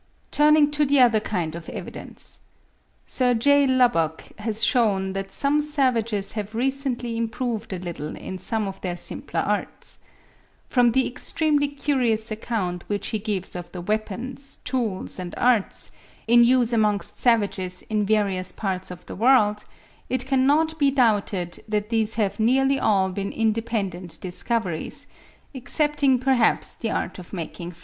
Turning to the other kind of evidence: Sir J. Lubbock has shewn that some savages have recently improved a little in some of their simpler arts. From the extremely curious account which he gives of the weapons, tools, and arts, in use amongst savages in various parts of the world, it cannot be doubted that these have nearly all been independent discoveries, excepting perhaps the art of making fire.